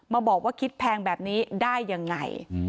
มาบอกว่าคิดแพงแบบนี้ได้ยังไง